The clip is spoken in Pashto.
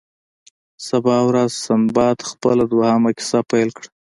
سبا ورځ سنباد خپله دوهمه کیسه پیل کړه.